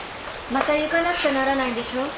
また行かなくちゃならないんでしょう？